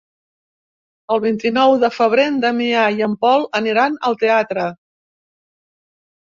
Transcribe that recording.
El vint-i-nou de febrer en Damià i en Pol aniran al teatre.